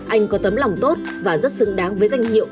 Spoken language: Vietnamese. anh có tấm lòng tốt và rất xứng đáng với danh hiệu